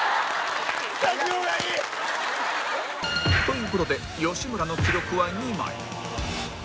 という事で吉村の記録は２枚